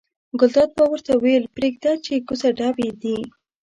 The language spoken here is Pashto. ګلداد به ورته ویل پرېږده یې کوڅه ډب دي.